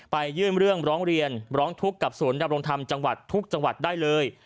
ไปยื่นเรื่องร้องเรียนร้องทุกข์กับสวนรับรองทำจังหวัดทุกจังหวัดได้เลย